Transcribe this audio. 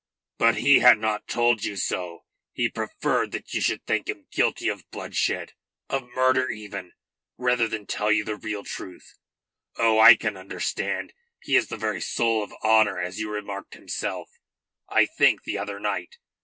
"But he had not told you so. He preferred that you should think him guilty of bloodshed, of murder even, rather than tell you the real truth. Oh, I can understand. He is the very soul of honour, as you remarked yourself, I think, the other night.